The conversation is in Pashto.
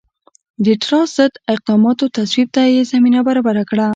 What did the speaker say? د ټراست ضد اقداماتو تصویب ته یې زمینه برابره کړه.